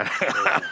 ハハハ！